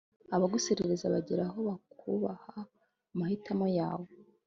abaguserereza bagera aho bakubaha amahitamo yawe